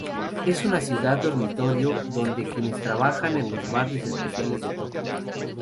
Es una ciudad dormitorio de quienes trabajan en los barrios especiales de Tokio.